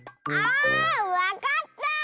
あわかった！